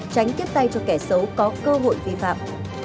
tránh tiếp tay cho kẻ xấu có cơ hội vi phạm